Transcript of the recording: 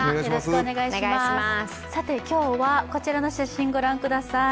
今日はこちらの写真ご覧ください。